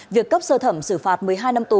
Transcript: việc cấp sơ thẩm xử phạt một mươi hai năm tù